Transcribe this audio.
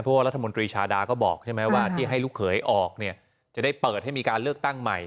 เพราะว่ารัฐมนตรีชาดาก็บอกใช่ไหมว่าที่ให้ลูกเขยออกเนี่ยจะได้เปิดให้มีการเลือกตั้งใหม่